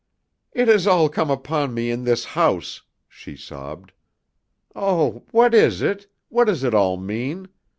"It has all come upon me in this house," she sobbed. "Oh! what is it? What does it all mean?